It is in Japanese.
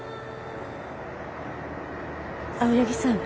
青柳さん